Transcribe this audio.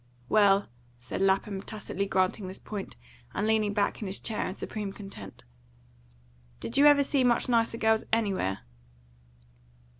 "Well," said Lapham, tacitly granting this point, and leaning back in his chair in supreme content. "Did you ever see much nicer girls anywhere?"